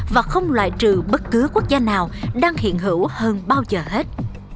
và không loại trừ bất cứ quốc gia nào đang hiện hữu hơn bao giờ hết